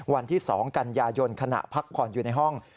วันที่๒กันยายนขณะพักผ่อนอยู่ในห้อง